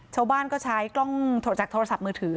ชาวบ้านก็ใช้กล้องจากโทรศัพท์มือถือ